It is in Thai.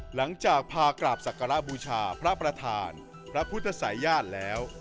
หลังจากพากราบศักระบูชาพระประธานพระพุทธศัยญาติแล้ว